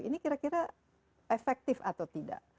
ini kira kira efektif atau tidak